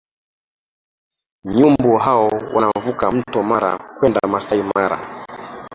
nyumbu hao wanavuka mto mara kwenda masai mara